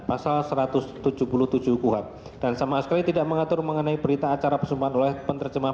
pasal satu ratus tujuh puluh tujuh kuhab dan sama sekali tidak mengatur mengenai berita acara pesumpahan oleh penerjemah